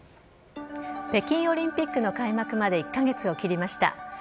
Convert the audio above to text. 北京オリンピックの開幕まで１か月を切りました。